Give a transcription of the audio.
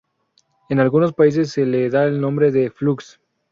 En algunos países se le da el nombre de flux.